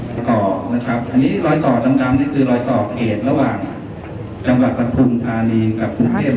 รอยต่อทางดำตาลรอยต่อเขตระหว่างจังหวัดก็ทุ่มธาลีกับกุฏเทพฯ